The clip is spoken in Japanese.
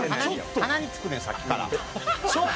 鼻につくね、さっきから。